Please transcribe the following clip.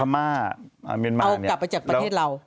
มาเอากลับไปจากประเทศเรา